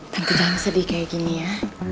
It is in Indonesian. takut jangan sedih kayak gini ya